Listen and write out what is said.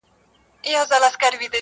اوس د میني ځای نیولی سپین او سرو دی,